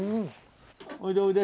おいでおいで。